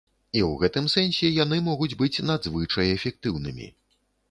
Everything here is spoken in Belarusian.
І ў гэтым сэнсе яны могуць быць надзвычай эфектыўнымі.